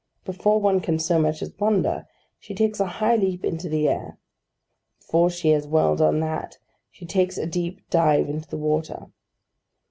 Before one can so much as wonder, she takes a high leap into the air. Before she has well done that, she takes a deep dive into the water.